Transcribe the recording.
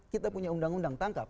kita punya undang undang tangkap